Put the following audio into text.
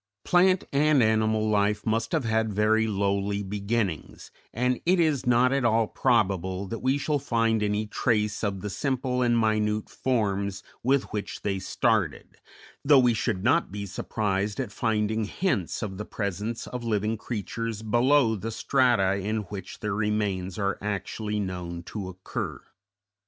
Plant and animal life must have had very lowly beginnings, and it is not at all probable that we shall find any trace of the simple and minute forms with which they started, though we should not be surprised at finding hints of the presence of living creatures below the strata in which their remains are actually known to occur.